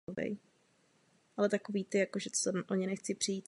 Pro oba to byl čtvrtý společný triumf v kariéře.